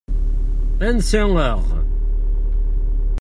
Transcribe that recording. Ansa-aɣ?